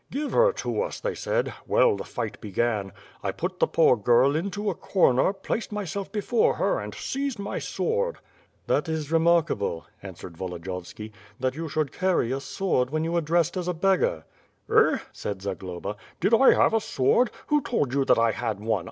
Give her to us they said. Well, the fight began. 1 put the poor girl into a corner, placed myself before her, and seized my sword. ..," "That is remarkable," interrupted Volodiyovski, "that you should carry a sword when you were dressed as a beggar." "Eh," said Zagloba, "did I have a sword? Who told you that I had one?